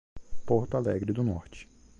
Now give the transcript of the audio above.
Porto Alegre do Norte